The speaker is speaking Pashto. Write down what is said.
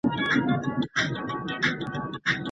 که په نکاح او واده کي يو اړخ تيروتلی وو.